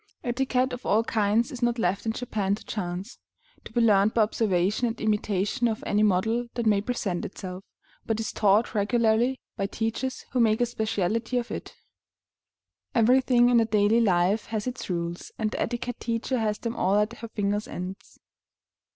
Etiquette of all kinds is not left in Japan to chance, to be learned by observation and imitation of any model that may present itself, but is taught regularly by teachers who make a specialty of it. Everything in the daily life has its rules, and the etiquette teacher has them all at her fingers' ends.